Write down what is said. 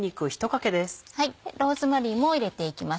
ローズマリーも入れていきます